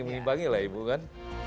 menimbangi lah ibu kan